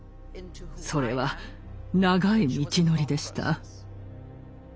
それは長い道のりでした。